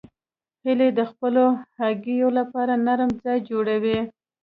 هیلۍ د خپلو هګیو لپاره نرم ځای جوړوي